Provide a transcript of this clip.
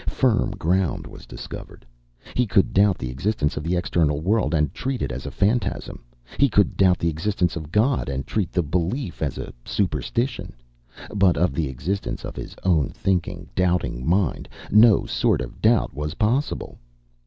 Firm ground was discovered. He could doubt the existence of the external world, and treat it as a phantasm. He could doubt the existence of God, and treat the belief as a superstition. But of the existence of his own thinking, doubting mind, no sort of doubt was possible.